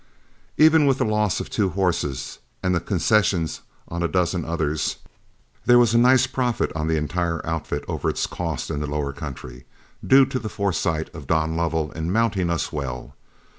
Even with the loss of two horses and the concessions on a dozen others, there was a nice profit on the entire outfit over its cost in the lower country, due to the foresight of Don Lovell in mounting us well.